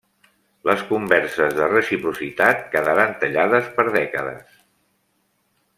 Les converses de reciprocitat quedaren tallades per dècades.